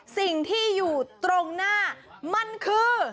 สิ่งที่อยู่ตรงหน้ามันคือ